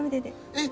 えっ！